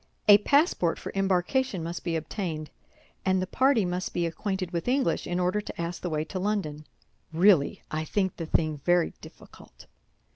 A passport for embarkation must be obtained; and the party must be acquainted with English in order to ask the way to London. Really, I think the thing very difficult."